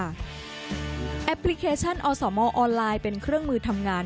แอปพลิเคชันอสมออนไลน์เป็นเครื่องมือทำงาน